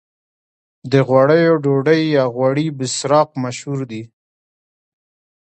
د غوړیو ډوډۍ یا غوړي بسراق مشهور دي.